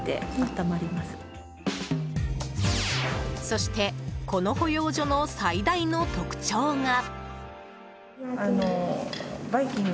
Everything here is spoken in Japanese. そして、この保養所の最大の特徴が。